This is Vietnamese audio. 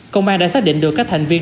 công an đã xác định được các thành viên